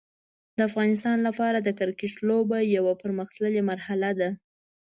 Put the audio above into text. د افغانستان لپاره د کرکټ لوبه یو پرمختللی مرحله ده.